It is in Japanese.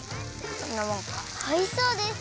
おいしそうです！